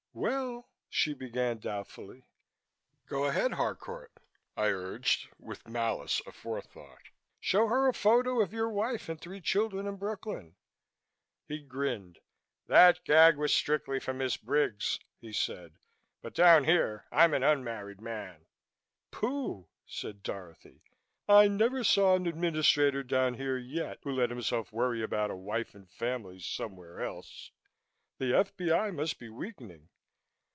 "Well " she began doubtfully. "Go ahead, Harcourt," I urged with malice aforethought. "Show her a photo of your wife and three children in Brooklyn." He grinned. "That gag was strictly for Miss Briggs," he said, "but down here I'm an unmarried man." "Pooh!" said Dorothy. "I never saw an administrator down here yet who let himself worry about a wife and family somewhere else. The F.B.I. must be weakening."